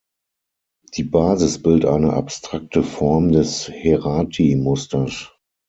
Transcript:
Die Basis bildet eine abstrakte Form des Herati-Musters.